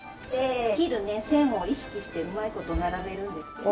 切るね線を意識してうまい事並べるんですけど。